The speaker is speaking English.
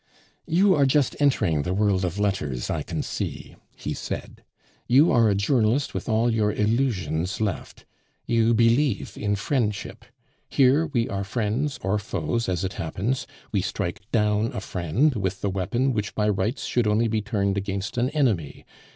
"You are just entering the world of letters, I can see," he said. "You are a journalist with all your illusions left. You believe in friendship. Here we are friends or foes, as it happens; we strike down a friend with the weapon which by rights should only be turned against an enemy.